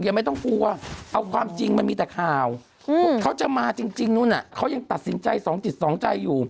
อย่างนี้ไม่ได้แค้งเข้าหรอก